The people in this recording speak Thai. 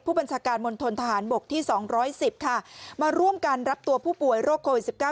ผู้บัญชาการมนตรฐานบกที่สองร้อยสิบค่ะมาร่วมกันรับตัวผู้ป่วยโรคโควิดสิบเก้า